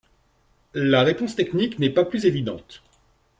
La réponse technique n'est pas plus évidente.